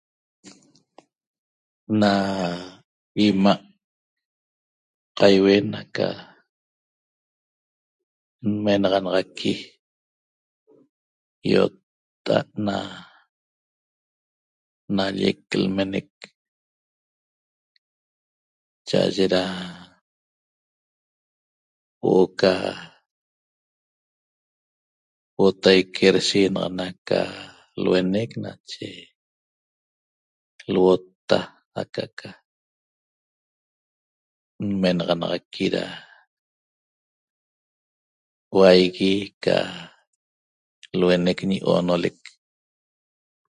Na 'ima' qaiuen aca nmenaxanaxaqui ýotta'a't na nallec lmenec cha'aye da huo'o ca huotaique deshiinaxana ca luenec nache luotta aca'aca nmenaxanaxaqui da huaigui ca luenec ñi oonolec